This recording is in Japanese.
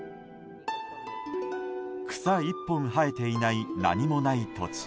草１本生えていない何もない土地。